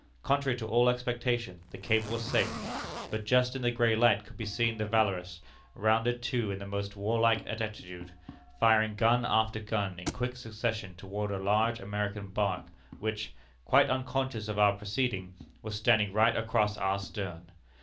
Contrary to all expectation, the cable was safe, but just in the gray light could be seen the Valorous rounded to in the most warlike attitude, firing gun after gun in quick succession toward a large American bark, which, quite unconscious of our proceeding, was standing right across our stern.